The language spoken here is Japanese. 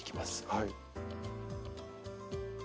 はい。